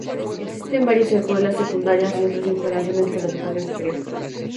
Existen varias escuelas secundarias y otras instalaciones para educación superior.